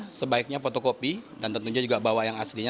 sebaiknya fotokopi dan tentunya juga bawa yang aslinya